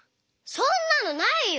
そんなのないよ！